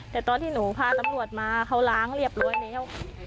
แต่ตอนที่หนูพาตำรวจมาเขาล้างเรียบร้อยแล้ว